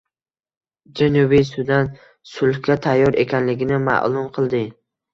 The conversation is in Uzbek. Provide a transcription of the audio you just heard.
Janubiy Sudan sulhga tayyor ekanligini ma’lum qildi